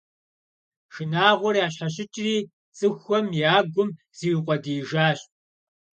Шынагъуэр ящхьэщыкӀри, цӀыхухэм я гум зиукъуэдиижащ.